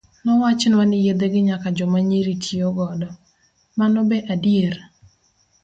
Nowachnwa ni yedhe gi nyaka joma nyiri tiyo godo, mano be adier?